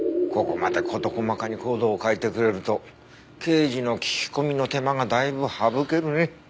ここまで事細かに行動を書いてくれると刑事の聞き込みの手間がだいぶ省けるね。